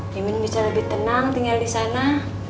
dimin bisa lebih tenang tinggal di sana